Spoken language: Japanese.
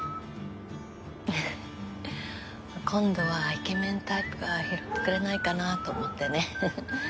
今度はイケメンタイプが拾ってくれないかなと思ってね。